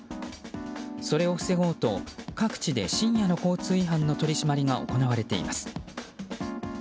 それを防ごうと各地で深夜の交通違反の取り締まりが行われています。